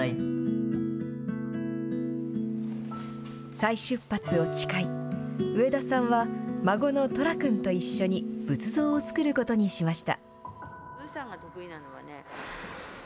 再出発を誓い、植田さんは孫の寅君と一緒に仏像をつくることにしました。